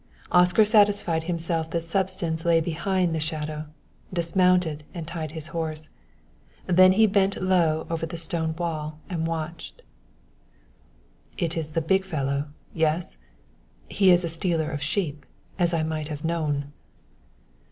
Oscar, satisfying himself that substance lay behind the shadow, dismounted and tied his horse. Then he bent low over the stone wall and watched. "It is the big fellow yes? He is a stealer of sheep, as I might have known."